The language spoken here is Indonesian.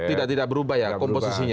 tidak tidak berubah ya komposisinya